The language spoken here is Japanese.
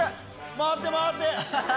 回って回って！